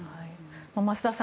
増田さん